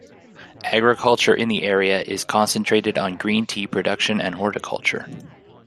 Agriculture in the area is concentrated on green tea production and horticulture.